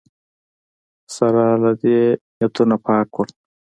سره له دې نیتونه پاک وو